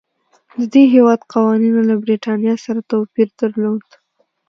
د دې هېواد قوانینو له برېټانیا سره توپیر درلود.